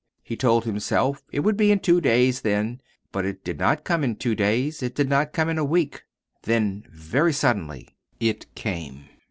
He told himself it would be in two days then. But it did not come in two days. It did not come in a week. Then, very suddenly, it came.